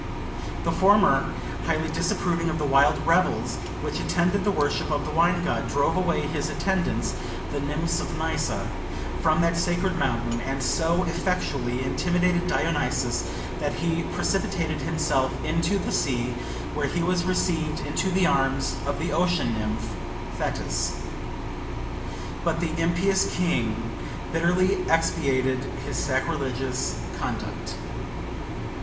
The former, highly disapproving of the wild revels which attended the worship of the wine god, drove away his attendants, the nymphs of Nysa, from that sacred mountain, and so effectually intimidated Dionysus, that he precipitated himself into the sea, where he was received into the arms of the ocean nymph, Thetis. But the impious king bitterly expiated his sacrilegious conduct.